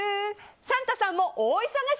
サンタさんも準備に大忙し！